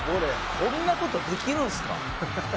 「こんな事できるんですか？」